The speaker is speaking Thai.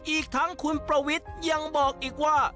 อีกทั้งคุณประวิทย์ยังบอกอีกว่า